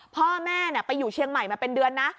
พ่อแม่ไปอยู่เชียงใหม่มาเป็นเดือนนะ